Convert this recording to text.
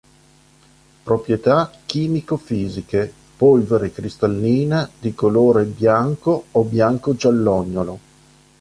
Proprietà chimico-fisiche: Polvere cristallina di colore bianco o bianco-giallognolo.